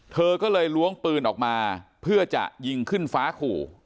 เธอก็เลยล้วงปืนออกมาเพื่อจะยิงขึ้นฟ้าขู่